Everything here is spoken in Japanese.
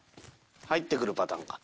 入って来るパターンか。